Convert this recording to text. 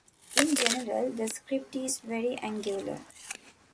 In general the script is very angular.